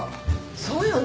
そうよね。